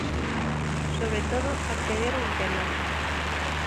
Sobre todo, acceder ao interior.